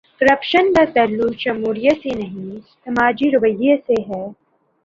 Corruption کا تعلق جمہوریت سے نہیں، سماجی رویے سے ہے۔